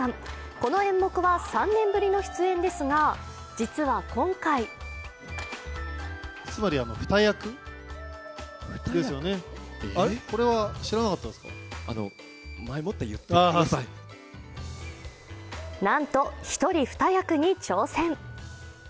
この演目は３年ぶりの出演ですが、実は今回なんと、一人二役に挑戦。